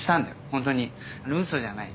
ホントにウソじゃない。